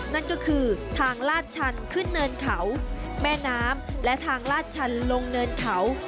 นั่นก็คือทางลาดชันขึ้นเนินเขาแม่น้ำและทางลาดชันลงเนินเขา